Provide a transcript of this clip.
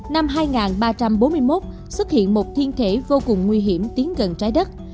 năm hai nghìn ba trăm bốn mươi một xuất hiện một thiên thể vô cùng nguy hiểm tiến gần trái đất